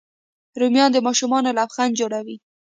رومیان د ماشوم لبخند جوړوي